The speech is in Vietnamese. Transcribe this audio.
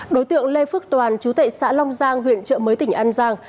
đối tượng lê phước toàn chú tệ xã long giang huyện trợ mới tỉnh an giang